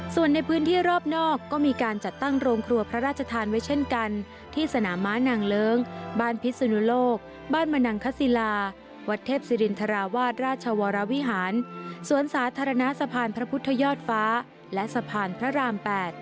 ส่วนในพื้นที่รอบนอกก็มีการจัดตั้งโรงครัวพระราชทานไว้เช่นกันที่สนามม้านางเลิ้งบ้านพิศนุโลกบ้านมนังคศิลาวัดเทพศิรินทราวาสราชวรวิหารสวนสาธารณะสะพานพระพุทธยอดฟ้าและสะพานพระราม๘